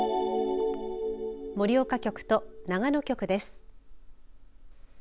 盛岡局と長野局です。